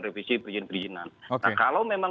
revisi perizinan kalau memang